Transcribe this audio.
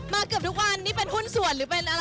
เกือบทุกวันนี่เป็นหุ้นส่วนหรือเป็นอะไร